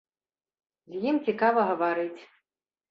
З ім цікава гаварыць.